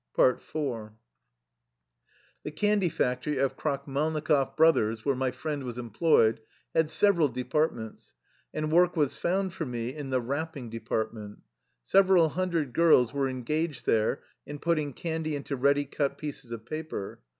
47 THE LIFE STOEY OF A EUSSIAN EXILE IV The candy factory of " Krakhmalnikoff Broth^ ers/' where my friend was employed, had several departments, and work was found for me in the "wrapping department.'' Several hundred girls were engaged there in putting candy into ready cut pieces of paper.